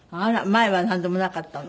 前はなんでもなかったの？